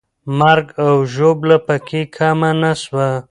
مرګ او ژوبله پکې کمه نه سوه.